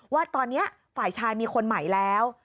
ว่าตอนนี้ฝ่ายชายมีคนใหม่แล้ว